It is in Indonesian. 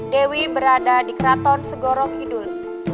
dewi berada di keraton segoro kidul